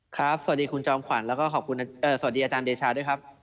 สวัสดีคุณจอมขวัญแล้วก็ขอบคุณสวัสดีอาจารย์เดชาด้วยครับ